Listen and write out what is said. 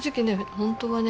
本当はね